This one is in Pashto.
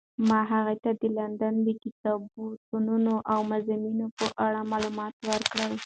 ما هغې ته د لندن د کتابتونونو او موزیمونو په اړه معلومات ورکړل.